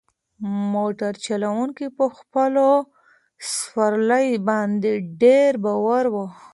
موټر چلونکی په خپلو سوارلۍ باندې ډېر باوري و.